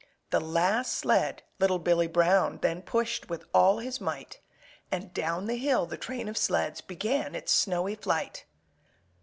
The last sled little Billy Brown Then pushed with all his might, And down the hill the train of sleds Began its snowy flight.